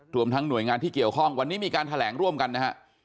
รวมทั้งหน่วยงานที่เกี่ยวข้องวันนี้มีการแถลงร่วมกันนะฮะ